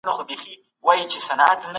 د جرګي ویب پاڼه څه معلومات لري؟